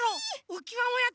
うきわも。